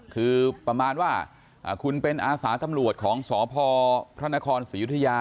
คือประมาณว่าคุณเป็นอาสาตำรวจของสพพระนครศรียุธยา